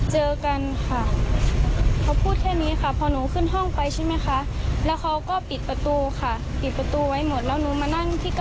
เหมือนไปโรงเรียนเหมือนเพื่อนพูดปกติอย่างนี้ค่ะ